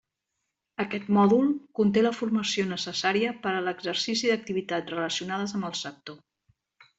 Aquest mòdul conté la formació necessària per a l'exercici d'activitats relacionades amb el sector.